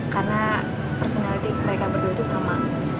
karena personality mereka berdua itu sama